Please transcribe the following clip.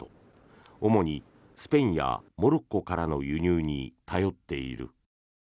主に、スペインやモロッコからの輸入に頼っている。